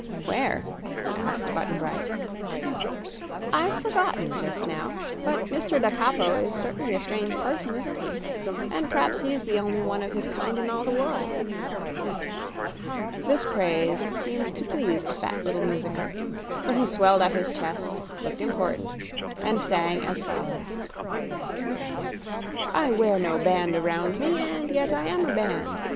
"Where?" asked Button Bright. "I've forgotten, just now. But Mr. Da Capo is certainly a strange person isn't he? and p'r'aps he's the only one of his kind in all the world." This praise seemed to please the little fat musicker, for he swelled out his chest, looked important and sang as follows: I wear no band around me, And yet I am a band!